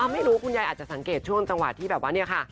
ไม่รู้คุณยายอาจจะสังเกตช่วงจังหวะที่แบบว่าเนี่ยค่ะ